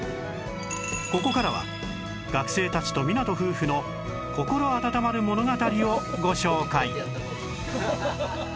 ここからは学生たちと湊夫婦の心温まる物語をご紹介